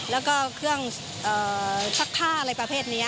แล้วก็เครื่องซักผ้าอะไรประเภทนี้